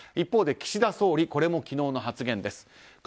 一方で岸田総理これも昨日の発言です。